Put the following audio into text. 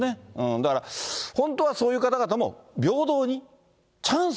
だから、本当はそういう方々も平等に、チャンス。